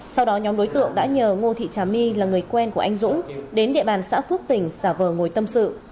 sau đó nhóm đối tượng đã nhờ ngô thị trà my là người quen của anh dũng đến địa bàn xã phước tỉnh xả vờ ngồi tâm sự